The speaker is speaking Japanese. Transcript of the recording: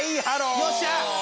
よっしゃ！